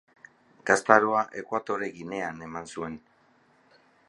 Gaztaroa Ekuatore Ginean eman zuen.